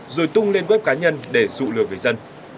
rồi tung lên web cá nhân để dụ lừa người dân